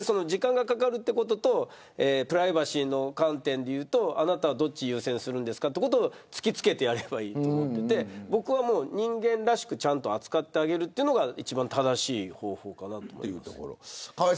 じゃあ、その時間がかかることとプライバシーの観点とで言うとあなたは、どっちを優先するんですかということを突き付ければいいと思っていて僕は人間らしくちゃんと扱ってあげるのが一番正しい方法かなと。